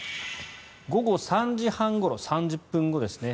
午後３時半ごろ、３０分後ですね